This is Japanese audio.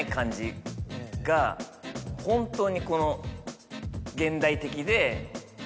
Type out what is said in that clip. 「本当に現代的で」。